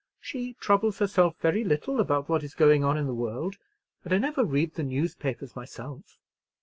She troubles herself very little about what is going on in the world, and I never read the newspapers myself."